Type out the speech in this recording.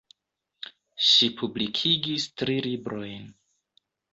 Ŝi publikigis tri librojn.